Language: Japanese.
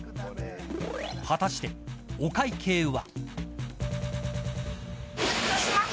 果たしてお会計は。